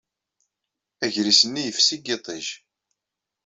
Agris-nni yefsi deg yiṭij.